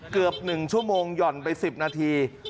เกือบ๑ชั่วโมงหย่อนไป๑๐นาที